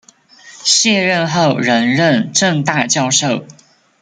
卸任后仍任政大教授。